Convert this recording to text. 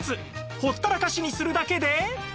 ほったらかしにするだけで